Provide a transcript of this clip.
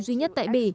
duy nhất tại bỉ